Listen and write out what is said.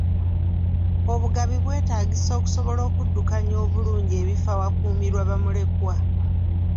Obugabi bwetaagisa okusobola okuddukanya obulungi ebifo awakuumibwa bamulekwa.